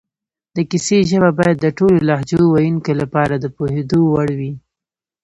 د کیسې ژبه باید د ټولو لهجو ویونکو لپاره د پوهېدو وړ وي